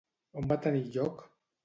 On va tenir lloc?